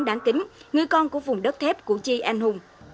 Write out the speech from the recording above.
đáng kính người con của vùng đất thép củ chi anh hùng